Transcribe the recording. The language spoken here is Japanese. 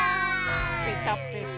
ぺたぺた。